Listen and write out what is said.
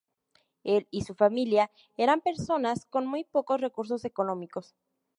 Él y su familia eran personas con muy pocos recursos económicos.